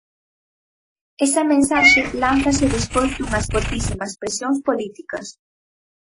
Esa mensaxe lánzase despois dunhas fortísimas presións políticas.